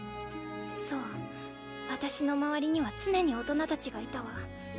そう私の周りには常に大人たちがいたわ。